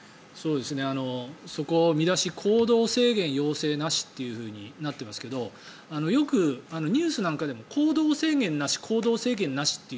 そこ、見出し行動制限要請なしとなってますがよくニュースなんかでも行動制限なし、行動制限なしって